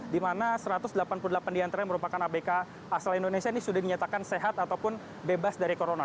di mana satu ratus delapan puluh delapan diantara yang merupakan abk asal indonesia ini sudah dinyatakan sehat ataupun bebas dari corona